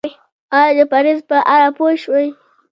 ایا د پرهیز په اړه پوه شوئ؟